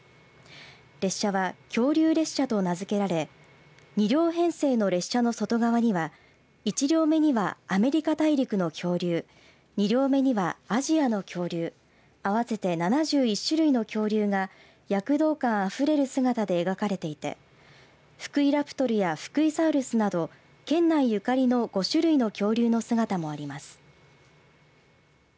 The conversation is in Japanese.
列車は恐竜列車と名付けられ２両編成の列車の外側には１両目にはアメリカ大陸の恐竜２両目にはアジアの恐竜合わせて７１種類の恐竜が躍動感あふれる姿で描かれていてフクイラプトルやフクイサウルスなど県内ゆかりの５種類の恐竜の姿もあります。